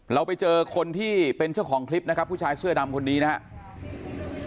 เราไปเจอคนที่เป็นเจ้าของคลิปนะครับผู้ชายเสื้อดำคนนี้นะครับ